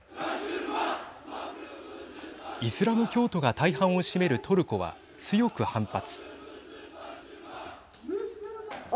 イスラム教徒が大半を占めるトルコは強く反発。